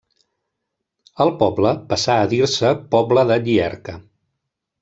El poble passà a dir-se Poble de Llierca.